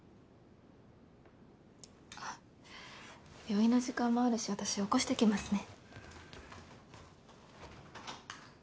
あ病院の時間もあるし私起こしてきますね。